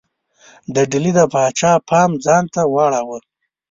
د ډهلي د پاچا پام ځانته واړاوه.